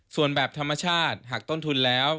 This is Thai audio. ส่วนแบบธรรมชาติหักต้นทุนแล้ว